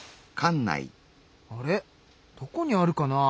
あれどこにあるかな？